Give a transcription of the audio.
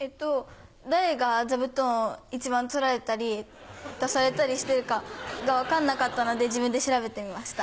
誰が座布団を一番取られたり足されたりしてるかが分かんなかったので自分で調べてみました。